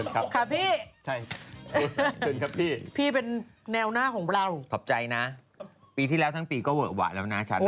ขอบคุณครับขอบคุณครับพี่พี่เป็นแนวหน้าของเราขอบใจนะปีที่แล้วทั้งปีก็เวิร์ดหวะแล้วนะฉัน